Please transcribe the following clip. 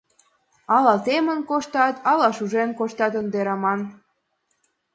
— Ала темын коштат, ала шужен коштат ынде, Раман.